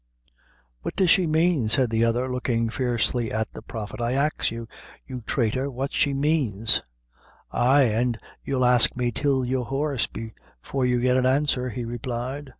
"What does she mane?" said the other, looking fiercely at the Prophet; "I ax you, you traitor, what she manes?" "Ay, an' you'll ax me till you're hoarse, before you get an answer," he replied.